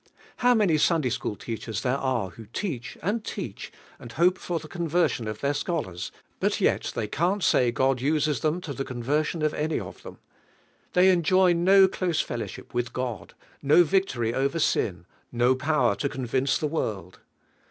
How many Sunday school teachers there are who teaeh, and teach, and hope for the conversion i>f their scholars, bat yet they can't say God uses them to the conversion of any of them. They enjoy ew close fellowship wiih God, iiu victory over sin, no power to convince the world.